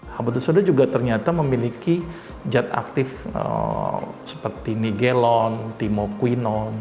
habatus sauda juga ternyata memiliki jad aktif seperti nigelon timokuinon